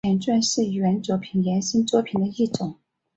前传是原作品衍生作品的一种。